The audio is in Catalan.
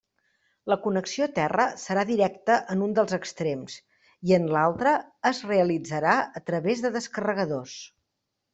La connexió a terra serà directa en un dels extrems i en l'altre es realitzarà a través de descarregadors.